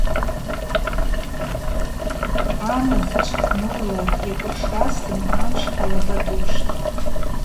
Амызчв нурла йкӏвыршазтын, амш алапӏатӏуштӏ.